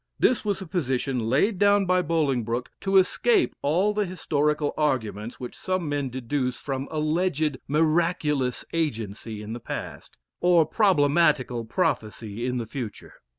This was a position laid down by Bolingbroke to escape all the historical arguments which some men deduce from alleged miraculous agency in the past, or problematical prophecy in the future.